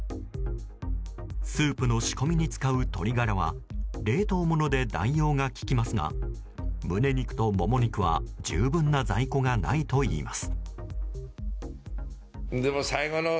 スープの仕込みに使う鶏ガラは冷凍もので代用が効きますが胸肉とモモ肉は十分な在庫がないといいます。